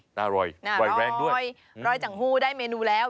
อร่อยรอยแรงด้วยรอยจังหู้ได้เมนูแล้ว